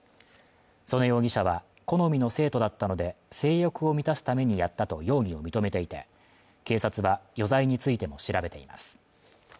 曽根容疑者は好みの生徒だったので性欲を満たすためにやったと容疑を認めていて警察は余罪についても調べています